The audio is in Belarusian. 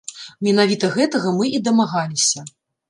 Менавіта гэтага мы і дамагаліся.